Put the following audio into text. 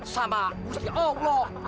sama gusti allah